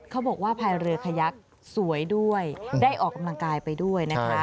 เขาบอกว่าภายเรือขยักสวยด้วยได้ออกกำลังกายไปด้วยนะคะ